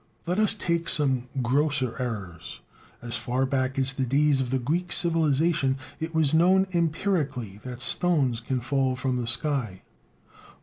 Let us take some grosser errors. As far back as the days of the Greek civilization it was known empirically that "stones can fall from the sky."